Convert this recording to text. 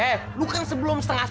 eh lo kan sebelum setengah sepuluh